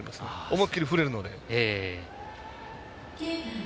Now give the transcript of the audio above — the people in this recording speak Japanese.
思い切り振れるので。